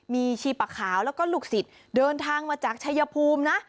มีชีปะขาวแล้วก็ลูกศิษย์เดินทางมาจากชายภูมินะ